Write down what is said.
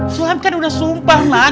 sulam kan sudah sumpah mak